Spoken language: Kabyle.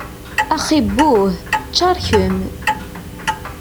Axxi-buh, ččar kemm!